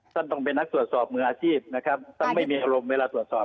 ท่านต้องเป็นนักส่วนสอบเมืองอาชีพต้องไม่มีอารมณ์เวลาส่วนสอบ